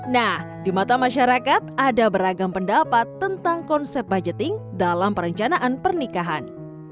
nah di mata masyarakat ada beragam pendapat tentang konsep budgeting dalam perencanaan pernikahan